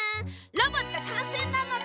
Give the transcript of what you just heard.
ロボットかんせいなのだ。